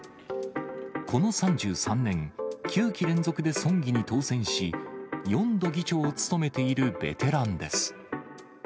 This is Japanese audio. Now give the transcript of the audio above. この３３年、９期連続で村議に当選し、４度議長を務めているベテランです。